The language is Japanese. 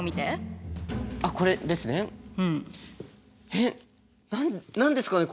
えっ何ですかね